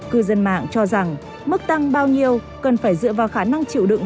cư dân mạng cho rằng mức tăng bao nhiêu cần phải dựa vào khả năng chịu đựng